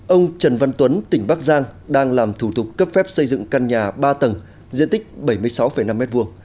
ông trần văn tuấn tỉnh bắc giang đang làm thủ tục cấp phép xây dựng căn nhà ba tầng diện tích bảy mươi sáu năm m hai